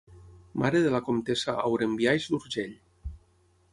Mare de la comtessa Aurembiaix d'Urgell.